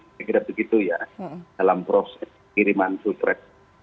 saya kira begitu ya dalam proses kiriman sultract